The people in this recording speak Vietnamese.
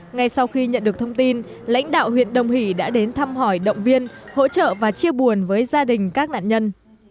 ngay sau khi nhận được thông tin lãnh đạo huyện đồng hỷ đã đến thăm hỏi động viên hỗ trợ và chia buồn với gia đình các nạn nhân